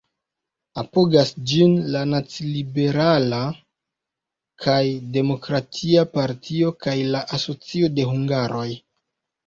Apogas ĝin la Naciliberala kaj Demokratia Partioj kaj la Asocio de Hungaroj.